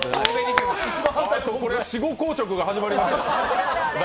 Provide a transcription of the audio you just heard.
これは死後硬直後が始まってますよ。